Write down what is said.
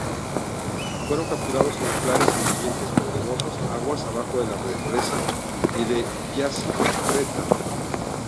Fueron capturados ejemplares en ambientes pedregosos aguas abajo de la Represa de Yacyretá.